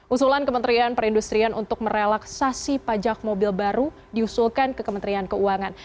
usulan kementerian perindustrian untuk merelaksasi pajak mobil baru diusulkan ke kementerian keuangan